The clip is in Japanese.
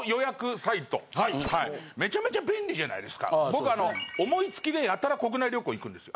僕あの思いつきでやたら国内旅行行くんですよ。